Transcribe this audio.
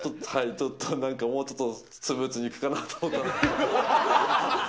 ちょっと、何か、もうちょっとスムーズにいくかなと。